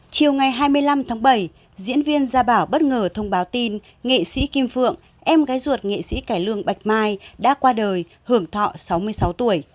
chiều ngày hai mươi năm tháng bảy diễn viên gia bảo bất ngờ thông báo tin nghệ sĩ kim phượng em gái ruột nghệ sĩ cải lương bạch mai đã qua đời hưởng thọ sáu mươi sáu tuổi